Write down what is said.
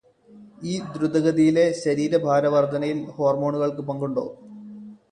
ഈ ദ്രുതഗതിയിലെ ശരീരഭാരവർദ്ധനയിൽ ഹോര്മോണുകൾക്ക് പങ്കുണ്ടോ?